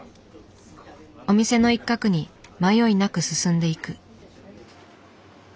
お店の一角に迷いなく進んでいく。